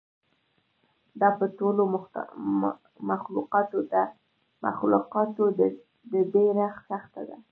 دا په ټولو مخلوقاتو ده ډېره سخته ده.